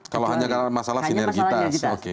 kalau hanya masalah sinergitas